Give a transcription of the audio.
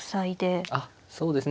あっそうですね。